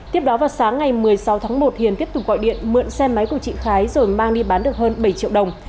tiếp đó vào sáng ngày một mươi sáu tháng một hiền tiếp tục gọi điện mượn xe máy của chị thái rồi mang đi bán được hơn bảy triệu đồng